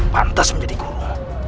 pantas menjadi guru